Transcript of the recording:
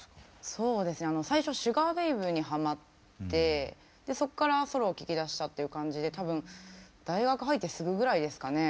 そうですね最初シュガー・ベイブにハマってそっからソロを聴き出したっていう感じで多分大学入ってすぐぐらいですかね。